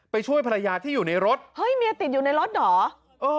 ช่วยภรรยาที่อยู่ในรถเฮ้ยเมียติดอยู่ในรถเหรอเออ